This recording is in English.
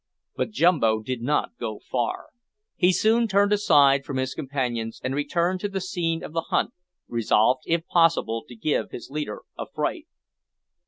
But Jumbo did not go far. He soon turned aside from his companions, and returned to the scene of the hunt, resolved if possible to give his leader a fright.